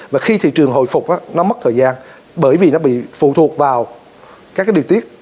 và khi thị trường hồi phục nó mất thời gian bởi vì nó bị phụ thuộc vào các điều tiết